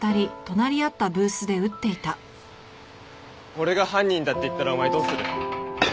俺が犯人だって言ったらお前どうする？